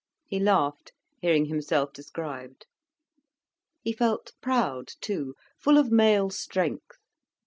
He laughed, hearing himself described. He felt proud too, full of male strength.